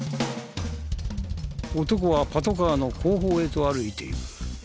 男はパトカーの後方へと歩いている。